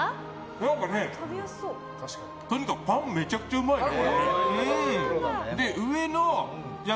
何かね、とにかくパンめちゃくちゃうまいね。